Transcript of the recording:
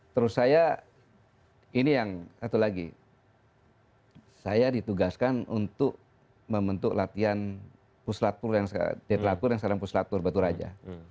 terus saya ini yang satu lagi saya ditugaskan untuk membentuk latihan deteratur yang sekarang puslatur batu raja